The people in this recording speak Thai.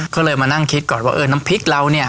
ก็เลยมานั่งคิดก่อนว่าน้ำพริกเรา